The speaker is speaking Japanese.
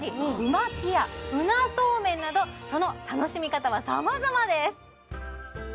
巻きやうなそうめんなどその楽しみ方は様々です